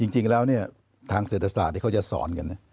จริงแล้วทางเศรษฐศาสตร์ที่เขาจะสอนกัน